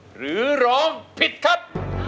หรือร้องผิดครับ